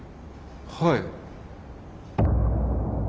はい。